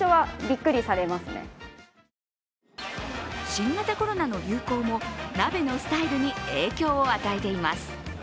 新型コロナの流行も鍋のスタイルに影響を与えています。